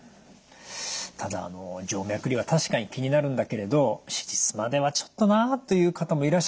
ただ静脈瘤は確かに気になるんだけれど「手術まではちょっとな」という方もいらっしゃるかと思うんですけれど。